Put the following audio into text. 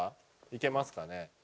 いけますかね。